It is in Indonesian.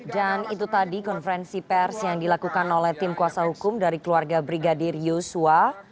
itu tadi konferensi pers yang dilakukan oleh tim kuasa hukum dari keluarga brigadir yosua